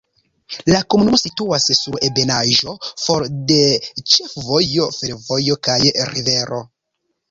La komunumo situas sur ebenaĵo, for de ĉefvojo, fervojo kaj rivero.